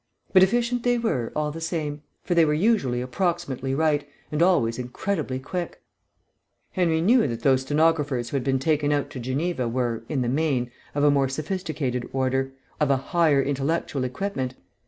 But efficient they were, all the same, for they were usually approximately right, and always incredibly quick. Henry knew that those stenographers who had been taken out to Geneva were, in the main, of a more sophisticated order, of a higher intellectual equipment.